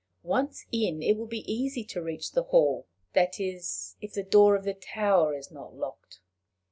Once in, it will be easy to reach the hall that is, if the door of the tower is not locked."